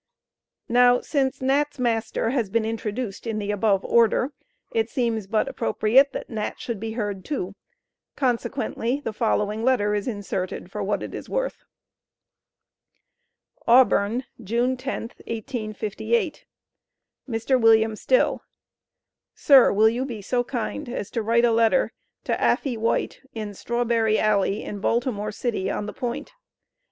Now since Nat's master has been introduced in the above order, it seems but appropriate that Nat should be heard too; consequently the following letter is inserted for what it is worth: Auburn, June 10th, 1858. Mr. William Still: Sir, will you be so Kind as to write a letter to affey White in straw berry alley in Baltimore city on the point.